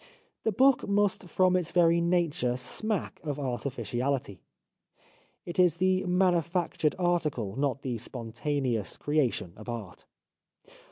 The book must from its very nature smack of artificiality. It is the manufactured article, not the spontaneous crea tion of art.